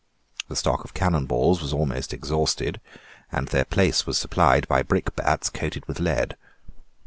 The stock of cannon balls was almost exhausted; and their place was supplied by brickbats coated with lead.